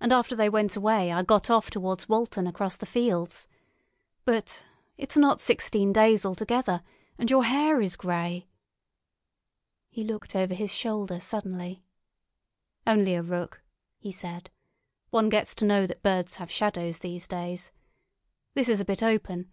And after they went away I got off towards Walton across the fields. But—— It's not sixteen days altogether—and your hair is grey." He looked over his shoulder suddenly. "Only a rook," he said. "One gets to know that birds have shadows these days. This is a bit open.